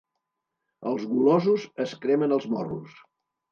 Els golosos es cremen els morros.